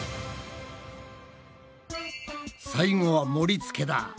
最後は盛りつけだ。